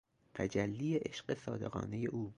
تجلی عشق صادقانهی او